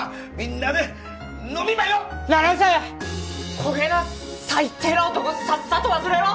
こげな最低な男さっさと忘れろ！